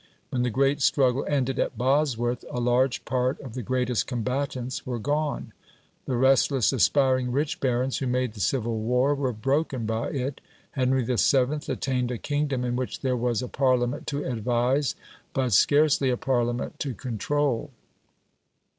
When the great struggle ended at Bosworth, a large part of the greatest combatants were gone. The restless, aspiring, rich barons, who made the civil war, were broken by it. Henry VII. attained a kingdom in which there was a Parliament to advise, but scarcely a Parliament to control.